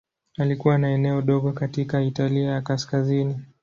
Alikuwa na eneo dogo katika Italia ya Kaskazini.